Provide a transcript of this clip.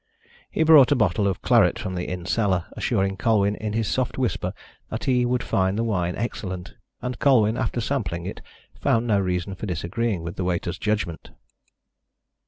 He brought a bottle of claret from the inn cellar, assuring Colwyn in his soft whisper that he would find the wine excellent, and Colwyn, after sampling it, found no reason for disagreeing with the waiter's judgment.